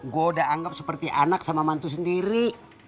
gue udah anggap seperti anak sama mantu sendiri